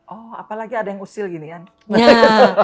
oh apalagi ada yang usil gini kan